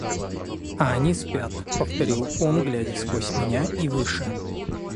— А они спят, — повторил он, глядя сквозь меня и выше.